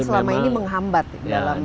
selama ini menghambat dalam kebetulan kayak gini